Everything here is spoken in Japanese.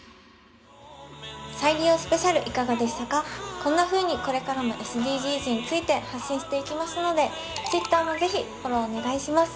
こんなふうにこれからもＳＤＧｓについて発信していきますのでＴｗｉｔｔｅｒもぜひフォローお願いします。